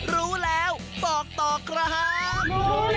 รู้แล้วบอกต่อครับ